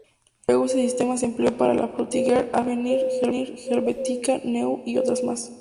Luego este sistema se empleó para la Frutiger, Avenir, Helvetica Neue y otras más.